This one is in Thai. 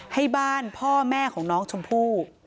ให้บ้านพ่อแม่ของน้องชมพู่